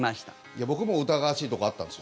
いや、僕も疑わしいとこあったんです。